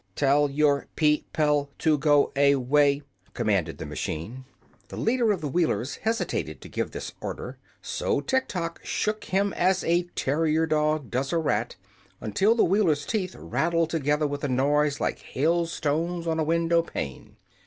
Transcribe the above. "Tell your peo ple to go a way," commanded the machine. The leader of the Wheelers hesitated to give this order, so Tiktok shook him as a terrier dog does a rat, until the Wheeler's teeth rattled together with a noise like hailstones on a window pane.